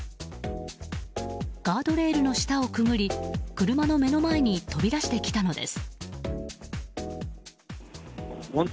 ガードレールの下をくぐり、車の目の前に飛び出してきたのです。